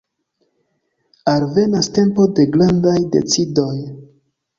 Alvenas tempo de grandaj decidoj.